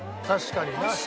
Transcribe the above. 確かにな。